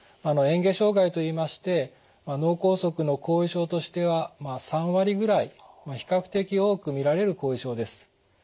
嚥下障害といいまして脳梗塞の後遺症としては３割ぐらい比較的多く見られる後遺症です。